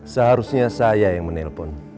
seharusnya saya yang menelpon